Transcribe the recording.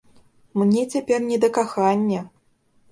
Мне цяпер не да кахання!